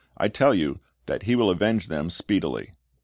I tell you that He will avenge them speedily."